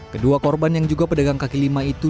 kedua korban yang juga pedagang kaki lima itu